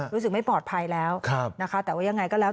รู้สึกไม่ปลอดภัยแล้วนะคะแต่ว่ายังไงก็แล้ว